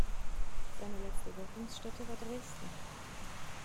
Seine letzte Wirkungsstätte war Dresden.